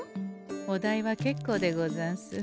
お代は結構でござんす。